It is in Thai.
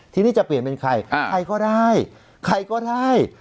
ทีนี้จะเปลี่ยนเป็นใครใครก็ได้ใครก็ได้